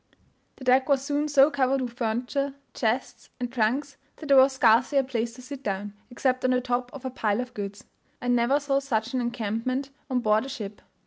The deck was soon so covered with furniture, chests, and trunks, that there was scarcely a place to sit down, except on the top of a pile of goods. I never saw such an encampment on board a ship.